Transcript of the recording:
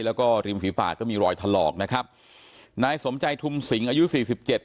แล้วก็ริมฝีปากก็มีรอยถลอกนะครับนายสมใจทุมสิงอายุสี่สิบเจ็ด